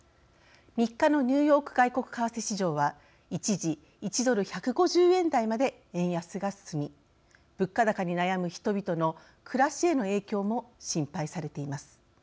３日のニューヨーク外国為替市場は一時１ドル１５０円台まで円安が進み物価高に悩む人々の暮らしへの影響も心配されています。